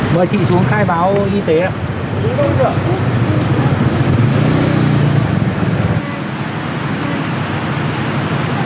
mời chị xuống khai báo y tế ạ